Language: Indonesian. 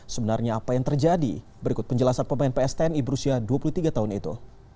sebenarnya apa yang terjadi berikut penjelasan pemain pstni berusia dua puluh tiga tahun itu